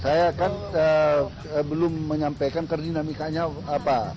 saya kan belum menyampaikan kerdinamikanya apa